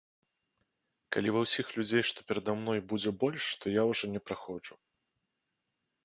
Калі ва ўсіх людзей, што перада мной, будзе больш, то я ўжо не праходжу.